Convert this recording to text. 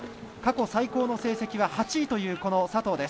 過去最高の成績は８位という佐藤。